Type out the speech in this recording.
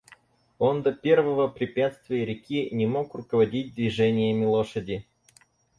Он до первого препятствия, реки, не мог руководить движениями лошади.